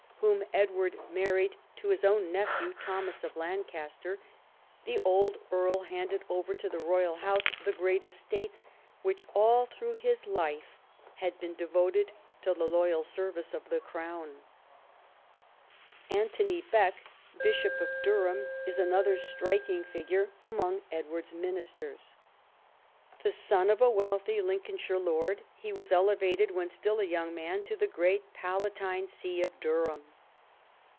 whom Edward married to his own nephew Thomas of Lancaster, the old earl handed over to the royal house the great estates, which all through his life had been devoted to the loyal service of the Crown. Anthony Bek, Bishop of Durham, is another striking figure among Edward's ministers. The son of a wealthy Lincolnshire lord, he was elevated when still a young man to the great palatine see of Durham.